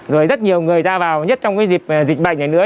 rồi rất nhiều người ra vào nhất trong cái dịp dịch bệnh này nữa